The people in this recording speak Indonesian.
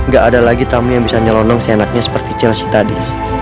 gak ada lagi tamu yang bisa nyelonong seenaknya seperti chelsea tadi